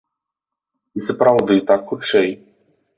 І сапраўды, так хутчэй!